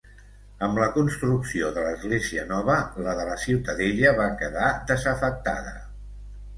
Amb la construcció de l'església nova, la de la ciutadella va quedar desafectada.